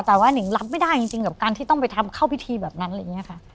แต่ว่านิ่งรับไม่ได้จริงกับการที่ต้องไปทำเข้าพิธีแบบนั้นอะไรอย่างนี้ค่ะ